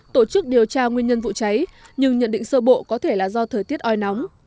tổ chức điều tra nguyên nhân vụ cháy nhưng nhận định sơ bộ có thể là do thời tiết oi nóng